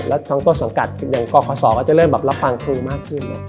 แล้วทั้งต้นสังกัดอย่างกคศก็จะเริ่มแบบรับฟังครูมากขึ้น